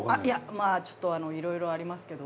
まあちょっといろいろありますけど。